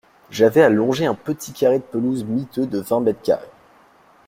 J’avais à longer un petit carré de pelouse miteux de vingt mètres carrés.